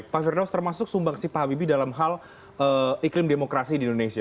pak firdaus termasuk sumbangsi pak habibie dalam hal iklim demokrasi di indonesia